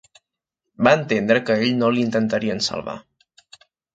Va entendre que a ell no l'intentarien salvar.